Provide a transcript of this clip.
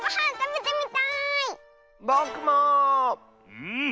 うん。